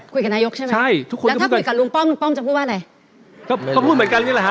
คุยกับนายกใช่ไหมแล้วถ้าคุยกับลุงป้อมลุงป้อมจะพูดว่าอะไร